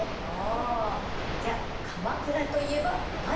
じゃあ鎌倉といえば何？